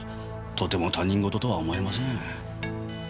とても他人事とは思えません。